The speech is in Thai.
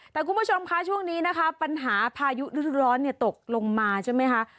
แต่คุณผู้ชมคะช่วงนี้นะคะปัญหาพายุฤร้อนตกลงมาใช่ไหมคะ